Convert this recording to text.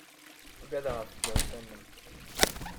Ugadeɣ ɣef tdawsa-nnem.